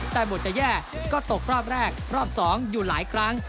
แต่บทจะแย่ก็ตกรอบแรกรอบ๒อยู่หลายครั้ง